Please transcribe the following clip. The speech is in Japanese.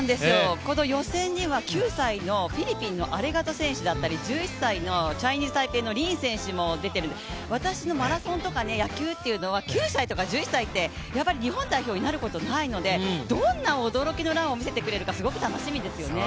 予選には９歳のフィリピンのアレガド選手だったり１１歳のチャイニーズ・タイペイのリン選手も出ているので私のマラソンとか野球というのは９歳とか１１歳って、日本代表になることはないので、どんな驚きのランを見せてくれるか楽しみですよね。